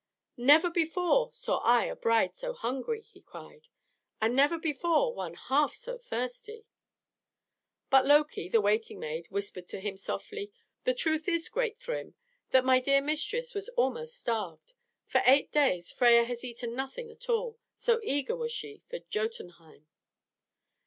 "Never before saw I a bride so hungry," he cried. "And never before one half so thirsty!" But Loki, the waiting maid, whispered to him softly, "The truth is, great Thrym, that my dear mistress was almost starved. For eight days Freia has eaten nothing at all, so eager was she for Jotunheim."